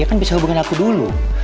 kayaknya bahkan harus hubungi aku dulu